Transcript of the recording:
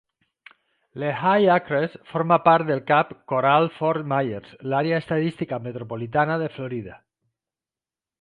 Lehigh Acres forma part del cap Coral-Fort Myers, l'àrea estadística metropolitana de Florida.